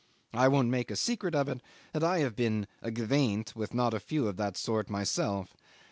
I won't make a secret of it that I had been "aguaindt" with not a few of that sort myself.